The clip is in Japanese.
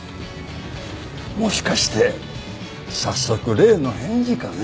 もしかして早速例の返事かね？